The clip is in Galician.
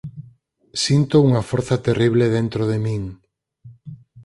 Sinto unha forza terrible dentro de min.